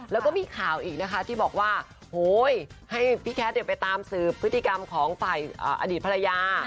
แล้วก็มีข่าวอีกนะคะที่บอกว่าให้พี่แคทไปตามสืบพฤติกรรมของฝ่ายอดีตภรรยา